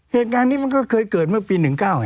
เหตุการณ์นี้มันก็เคยเกิดเมื่อปี๑๙